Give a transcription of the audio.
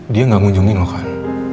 dia gak ngunjungin lo kan